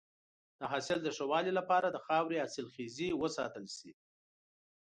د حاصل د ښه والي لپاره د خاورې حاصلخیزی وساتل شي.